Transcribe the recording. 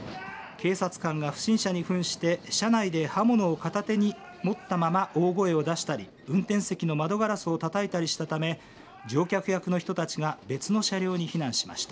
警察官が不審者にふんして車内で刃物を片手に持ったまま大声を出したり運転席の窓ガラスをたたいたりしたため乗客役の人たちが別の車両に避難しました。